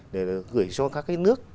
để gửi cho các nước